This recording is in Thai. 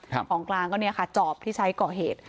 ของกลางก็เนี่ยค่ะจอบที่ใช้ก่อเหตุ